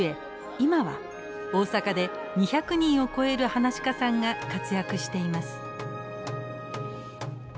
今は大阪で２００人を超えるはなし家さんが活躍しています。